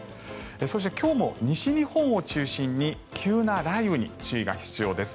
そして、今日も西日本を中心に急な雷雨に注意が必要です。